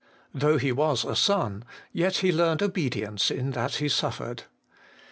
' Though He was a Son, yet He learned obedience in that He suffered.'